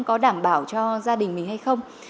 có đảm bảo cho gia đình mình hay không